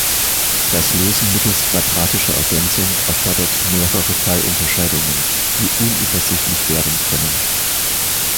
Das Lösen mittels quadratischer Ergänzung erfordert mehrere Fallunterscheidungen, die unübersichtlich werden können.